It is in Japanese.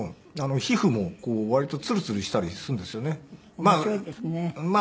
皮膚も割とツルツルしたりするんですよね。